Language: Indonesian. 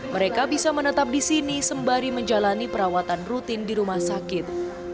mereka bisa menetap di sini sembari menjalani perawatan rutin di rumah sakit